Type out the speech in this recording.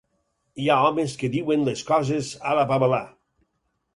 Hi ha homes que diuen les coses a la babalà.